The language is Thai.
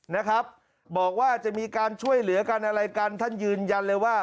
นะครับบอกว่าจะมีการช่วยเหลือกันอะไรกันท่านยืนยันเลยว่า